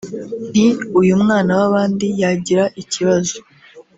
nti uyu mwana w’abandi yagira ikibazo